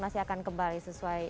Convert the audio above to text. masih akan kembali sesuai